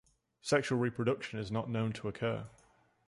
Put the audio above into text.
Sexual reproduction is not known to occur.